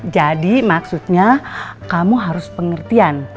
jadi maksudnya kamu harus pengertian